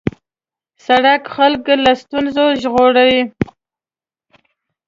سړک خلک له ستونزو ژغوري.